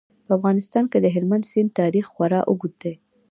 په افغانستان کې د هلمند سیند تاریخ خورا اوږد دی.